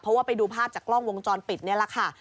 เพราะว่าไปดูภาพจากกล้องวงจรปิดนี่แหละค่ะ